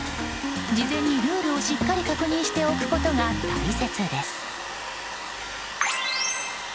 事前にルールをしっかり確認しておくことが大切です。